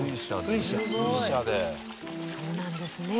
そうなんですね。